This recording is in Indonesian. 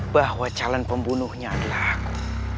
bahwa calon pembunuhnya adalah aku